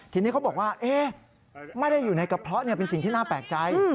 ทีนี้เขาบอกว่าไม่ได้อยู่ในกระเพาะเป็นสิ่งที่น่าแปลกใจ